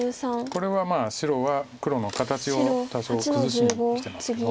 これは白は黒の形を多少崩しにきてますけど。